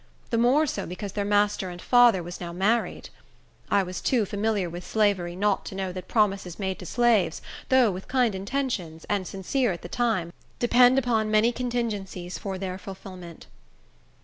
The more so, because their master and father was now married. I was too familiar with slavery not to know that promises made to slaves, though with kind intentions, and sincere at the time, depend upon many contingencies for their fulfillment.